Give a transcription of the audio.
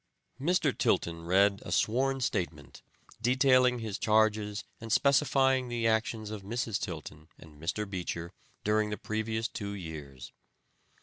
Mr. Tilton read a sworn statement detailing his charges and specifying the actions of Mrs. Tilton and Mr. Beecher during the previous two years.